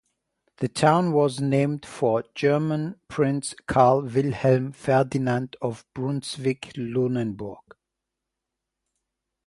The town was named for German Prince Karl Wilhelm Ferdinand of Brunswick-Lunenburg.